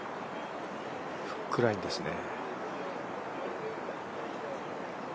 フックラインですね。